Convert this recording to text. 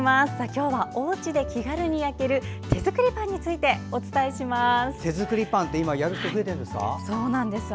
今日は、おうちで気軽に焼ける手作りパンについてお伝えします。